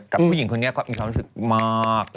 ผู้หญิงคนนี้ก็มีความรู้สึกมาก